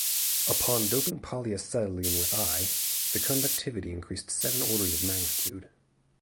Upon doping polyacetylene with I, the conductivity increased seven orders of magnitude.